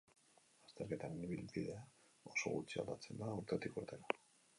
Lasterketaren ibilbidea oso gutxi aldatzen da urtetik urtera.